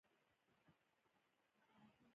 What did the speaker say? یونیسف هڅه کوي خنډونه کم کړي.